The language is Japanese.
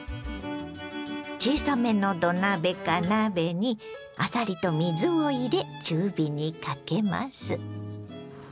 小さめの土鍋か鍋にあさりと水を入れ中火にかけます。